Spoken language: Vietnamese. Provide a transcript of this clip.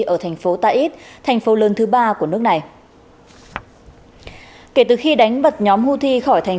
ở thành phố tait thành phố lớn thứ ba của nước này kể từ khi đánh bật nhóm houthi khỏi thành